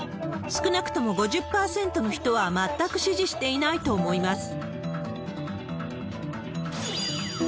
少なくとも５０％の人は、全く支持していないと思います。